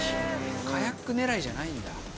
カヤック狙いじゃないんだ。